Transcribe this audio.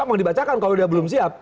emang dibacakan kalau dia belum siap